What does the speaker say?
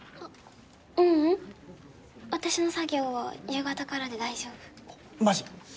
ううん私の作業は夕方からで大丈夫マジ？